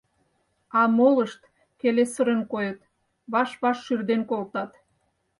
А молышт келесырын койыт, ваш-ваш шӱрден колтат.